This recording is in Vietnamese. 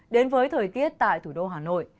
đến với thời tiết tại thủ đô hà nội